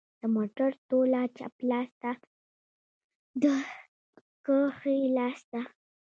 د موټر توله چپ لاس ته ده که ښي لاس ته